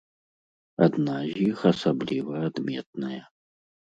Адна з іх асабліва адметная.